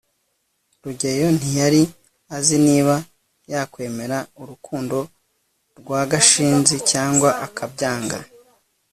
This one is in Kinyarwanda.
rugeyo ntiyari azi niba yakwemera urukundo rwa gashinzi cyangwa akabyanga